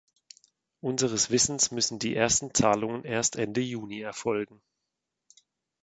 Unseres Wissens müssen die ersten Zahlungen erst Ende Juni erfolgen.